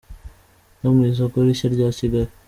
no mu isoko rishya rya Kigali.